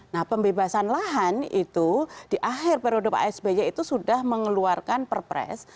nah pembebasan lahan itu di akhir periode pak sby itu sudah mengeluarkan perpres